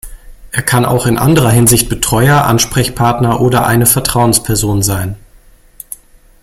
Er kann auch in anderer Hinsicht Betreuer, Ansprechpartner oder eine Vertrauensperson sein.